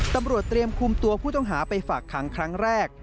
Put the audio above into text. ตำรวจเตรียมคุมตัวผู้ต้องหาไปฝากขังครั้งแรก